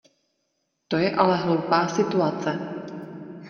To je ale hloupá situace.